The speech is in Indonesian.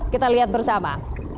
kita lihat bersama